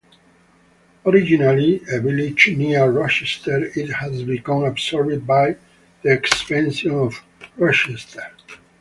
Originally a village near Rochester, it has become absorbed by the expansion of Rochester.